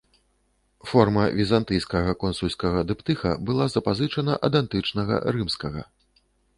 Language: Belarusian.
Форма візантыйскага консульскага дыптыха была запазычана ад антычнага рымскага.